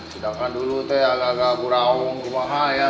sedangkan dulu tuh ya gak gak gue raung ke rumah aja ya